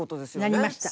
なりました。